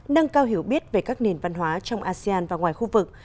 nâng cao hiểu biết về các nền văn hóa trong asean và ngoài khu vực